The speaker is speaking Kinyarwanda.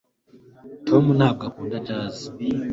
tom ntabwo akunda jazz